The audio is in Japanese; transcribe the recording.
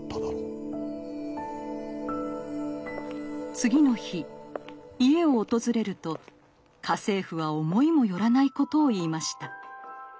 次の日家を訪れると家政婦は思いもよらないことを言いました。